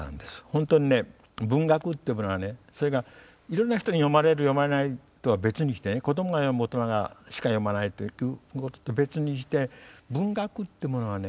本当にね文学っていうものはねそれがいろんな人に読まれる読まれないとは別にしてね子どもが読む大人しか読まないということと別にして文学ってものはね